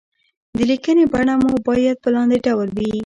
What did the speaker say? د ليکنې بڼه مو بايد په لاندې ډول وي.